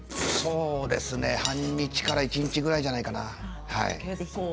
半日から一日くらいじゃないかな。